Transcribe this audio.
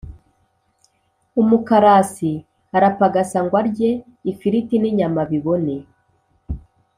umukarasi arapagasa ngo arye ifiriti n’inyama abibone